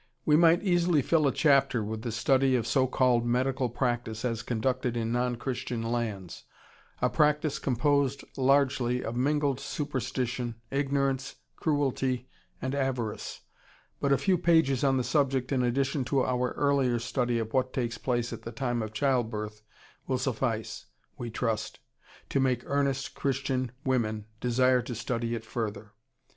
We might easily fill a chapter with the study of so called "medical practice" as conducted in non Christian lands, a practice composed largely of mingled superstition, ignorance, cruelty, and avarice but a few pages on the subject in addition to our earlier study of what takes place at the time of childbirth will suffice, we trust, to make earnest Christian women desire to study it further.